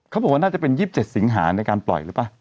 เขาบอกว่าน่าจะเป็น๒๗สิงหาในการปล่อยหรือเปล่า